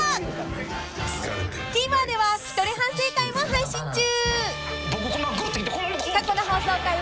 ［ＴＶｅｒでは一人反省会も配信中］